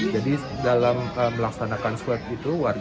jadi dalam melaksanakan swab itu